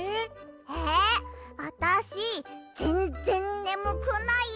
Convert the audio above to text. えあたしぜんぜんねむくないよ！